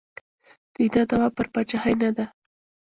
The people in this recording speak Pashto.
د ده دعوا پر پاچاهۍ نه ده.